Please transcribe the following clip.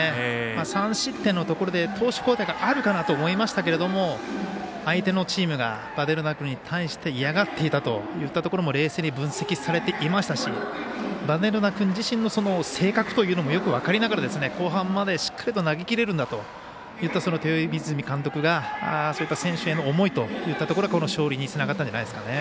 ３失点のところで投手交代があるかなと思いましたけど相手のチームがヴァデルナ君に対して嫌がっていたといったところも冷静に分析されていましたしその性格というのもよく分かりながら、後半までしっかり投げきれるんだといった豊泉監督がそういった選手への思いといったところでこの勝利につながったんじゃないですかね。